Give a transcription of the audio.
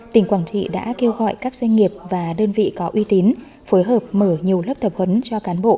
tỉnh quảng trị đã kêu gọi các doanh nghiệp và đơn vị có uy tín phối hợp mở nhiều lớp tập huấn cho cán bộ